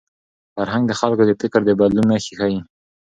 فرهنګ د خلکو د فکر د بدلون نښې ښيي.